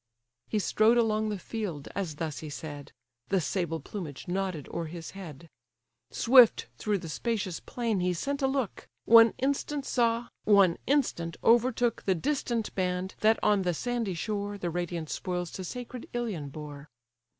He strode along the field, as thus he said: (The sable plumage nodded o'er his head:) Swift through the spacious plain he sent a look; One instant saw, one instant overtook The distant band, that on the sandy shore The radiant spoils to sacred Ilion bore.